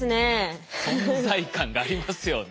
存在感がありますよね。